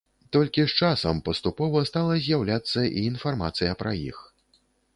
Толькі з часам паступова стала з'яўляцца і інфармацыя пра іх.